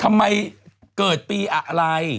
ทำไมเกิดปีอะไร